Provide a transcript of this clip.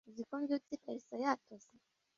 uzi ko mbyutse ikariso yatose